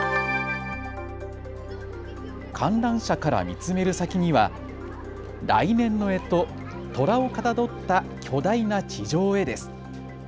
観覧車から見つめる先には来年のえと、とらをかたどった巨大な地上絵です。